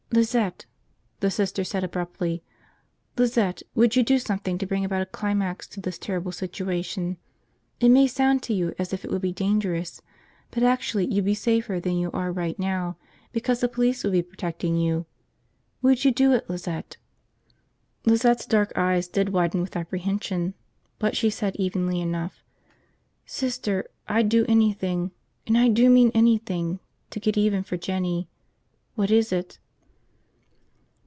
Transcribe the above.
... "Lizette," the Sister said abruptly, "Lizette, would you do something to bring about a climax to this terrible situation? It may sound to you as if it would be dangerous, but actually you'd be safer than you are right now because the police would be protecting you. .... Would you do it, Lizette?" Lizette's dark eyes did widen with apprehension, but she said evenly enough, "Sister, I'd do anything – and I do mean anything – to get even for Jinny. What is it?"